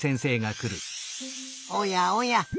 おやおや。